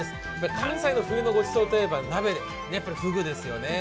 関西の冬のごちそうといえば鍋で、やっぱりふぐですよね。